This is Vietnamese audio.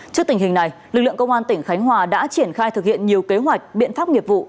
trước tình hình này lực lượng công an tỉnh khánh hòa đã triển khai thực hiện nhiều kế hoạch biện pháp nghiệp vụ